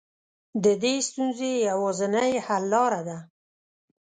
د دې ستونزې يوازنۍ حل لاره ده.